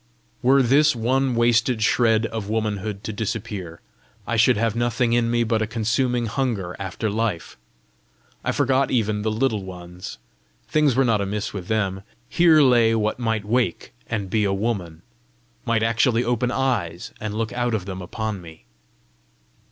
Were this one wasted shred of womanhood to disappear, I should have nothing in me but a consuming hunger after life! I forgot even the Little Ones: things were not amiss with them! here lay what might wake and be a woman! might actually open eyes, and look out of them upon me!